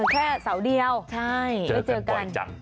แค่เสาร์เดียวใช่เจอกันบ่อยจัง